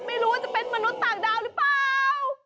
ไม่รู้ว่าจะเป็นมนุษย์ต่างดาวหรือเปล่า